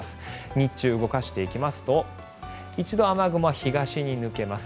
日中、動かしていきますと雨雲は一度東に抜けます。